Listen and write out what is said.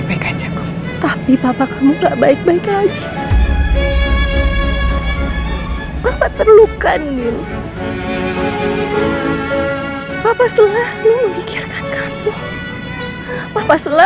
kelihatan arie sebelum nino juga gak mau seperti tummy femmed